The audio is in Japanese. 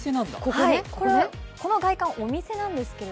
これ、この外観お店なんですけど。